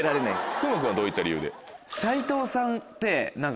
風磨君はどういった理由で？